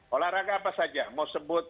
olahraga apa saja mau sebut